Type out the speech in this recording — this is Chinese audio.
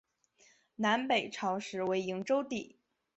南北朝时为营州地。